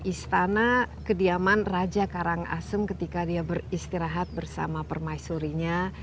istana kediaman raja karangasem ketika dia beristirahat bersama permaisurinya